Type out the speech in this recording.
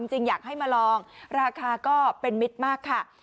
จริงอยากให้มาลองราคาก็เป็นมิตรมากค่ะ